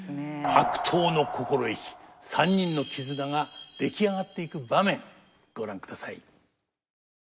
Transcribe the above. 悪党の心意気三人の絆が出来上がっていく場面ご覧ください。